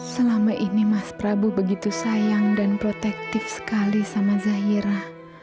selama ini mas prabu begitu sayang dan protektif sekali sama zahira